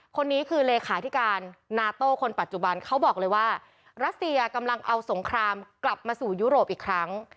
คนนี้คือเลขาธิการนาโต้คนปัจจุบันเขาบอกเลยว่ารัสเซียกำลังเอาสงครามกลับมาสู่ยุโรปอีกครั้ง